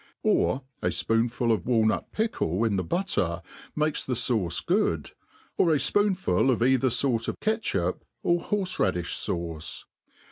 Or a.fpoonful of walnut pickle in the butter makes the fauce good, or a fpoonful of either fort of catchup, or horfe raddifli fauce.